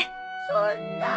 そんな。